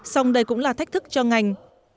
song đây cũng là thách thức cho ngành